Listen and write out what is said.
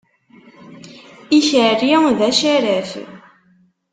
Ikerri d acaraf.